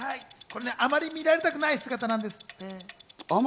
あまり見られたくない姿なんですって。